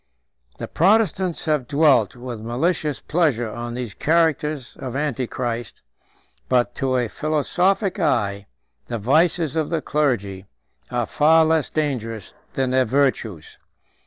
133 The Protestants have dwelt with malicious pleasure on these characters of Antichrist; but to a philosophic eye, the vices of the clergy are far less dangerous than their virtues.